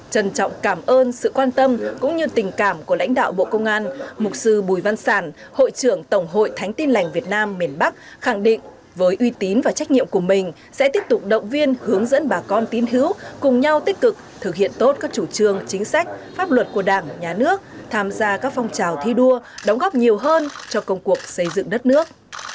trân trọng cảm ơn sự quan tâm cũng như tình cảm của lãnh đạo bộ công an mục sư bùi văn sản hội trưởng tổng hội thánh tin lành việt nam miền bắc khẳng định với uy tín và trách nhiệm của mình sẽ tiếp tục động viên hướng dẫn bà con tín hữu cùng nhau tích cực thực hiện tốt các chủ trương chính sách pháp luật của đảng nhà nước tham gia các phong trào thi đua đóng góp nhiều hơn cho công cuộc xây dựng đất nước